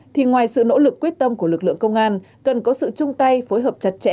thì ngoài sự nỗ lực quyết tâm của lực lượng công an cần có sự chung tay phối hợp chặt chẽ